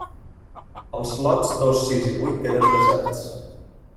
Els lots dos, sis i vuit queden deserts.